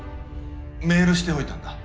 メールしておいたんだ。